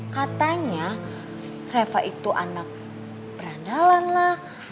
katanya freva itu anak berandalan lah